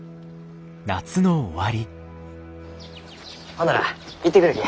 ほんなら行ってくるき。